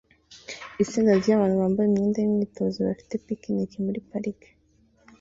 Itsinda ryabantu bambaye imyenda yimyitozo bafite picnic muri parike